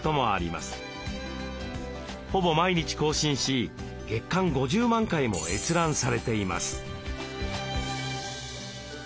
ほぼ毎日更新し月間５０万回も閲覧されています。